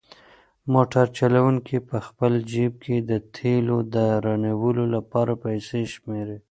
موټر چلونکی په خپل جېب کې د تېلو د رانیولو لپاره پیسې شمېري.